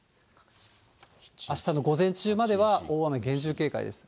あしたの午前中までは大雨、厳重警戒です。